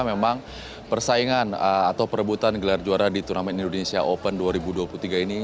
memang persaingan atau perebutan gelar juara di turnamen indonesia open dua ribu dua puluh tiga ini